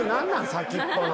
先っぽの。